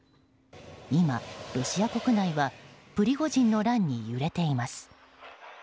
今、ロシア国内はプリゴジンの乱に揺れています。